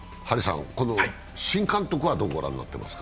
新監督はどう御覧になってますか？